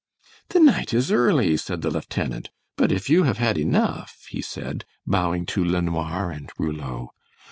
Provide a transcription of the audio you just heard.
"The night is early," said the lieutenant, "but if you have had enough," he said, bowing to LeNoir and Rouleau.